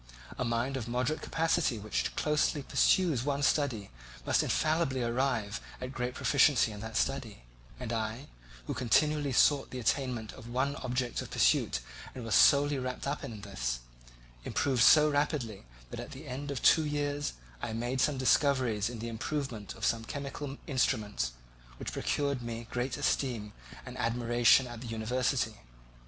A mind of moderate capacity which closely pursues one study must infallibly arrive at great proficiency in that study; and I, who continually sought the attainment of one object of pursuit and was solely wrapped up in this, improved so rapidly that at the end of two years I made some discoveries in the improvement of some chemical instruments, which procured me great esteem and admiration at the university.